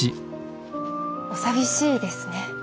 お寂しいですね。